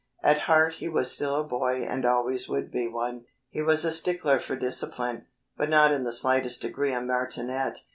At heart he was still a boy and always would be one. He was a stickler for discipline, but not in the slightest degree a martinet.